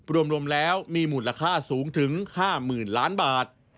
รวมรวมแล้วมีหมุนราคาสูงถึง๕๐๐๐๐ล้านบาท